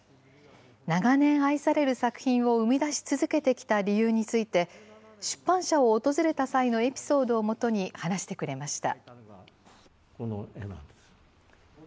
長年愛される作品を生み出し続けてきた理由について、出版社を訪れた際のエピソードをもとに話してくれました。